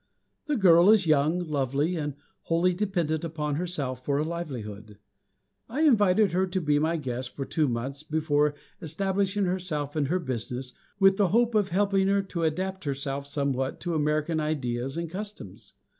The girl is young, lovely, and wholly dependent upon herself for a livelihood. I invited her to be my guest for two months, before establishing herself in her business, with the hope of helping her to adapt herself somewhat to American ideas and customs.